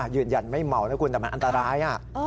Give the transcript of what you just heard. ยืนยันไม่เมานะคุณแต่มันอันตราย